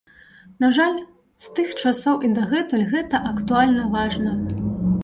На жаль, з тых часоў і дагэтуль гэта актуальна і важна.